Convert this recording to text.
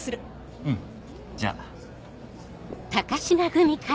うんじゃあ。